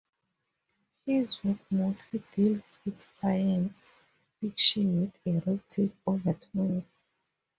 His work mostly deals with science fiction with erotic overtones.